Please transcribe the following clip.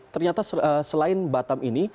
ternyata selain batam ini